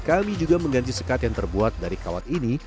kami juga mengganti sekat yang terbuat dari kawat ini